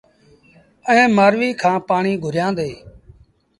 ائيٚݩ مآرويٚ کآݩ پآڻيٚ گھُريآݩدي۔